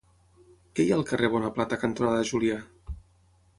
Què hi ha al carrer Bonaplata cantonada Julià?